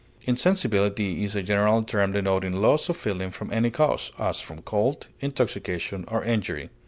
Insensibility is a general term denoting loss of feeling from any cause, as from cold, intoxication, or injury.